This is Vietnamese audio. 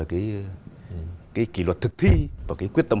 cái kỷ luật thực thi và cái quyết tâm